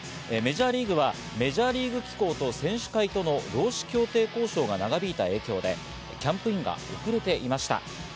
メジャーリーグは、メジャーリーグ機構と選手会との労使協定交渉が長引いた影響でキャンプインが遅れていました。